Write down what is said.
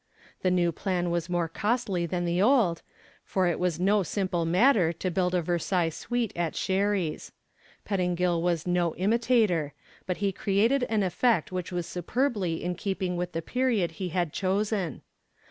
The new plan was more costly than the old, for it was no simple matter to build a Versailles suite at Sherry's. Pettingill was no imitator, but he created an effect which was superbly in keeping with the period he had chosen.